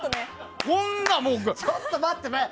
ちょっと待って！